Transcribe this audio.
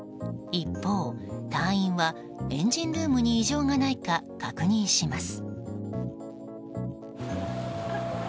一方、隊員はエンジンルームに異常がないか確認します。